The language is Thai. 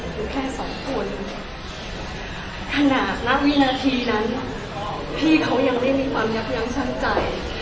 อยู่แค่สองคนขนาดณวินาทีนั้นพี่เขายังไม่มีความยับยั้งชั่งใจ